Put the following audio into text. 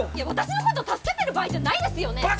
私のこと助けてる場合じゃないですよね！？